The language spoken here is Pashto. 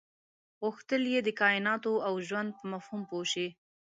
غوښتل یې د کایناتو او ژوند په مفهوم پوه شي.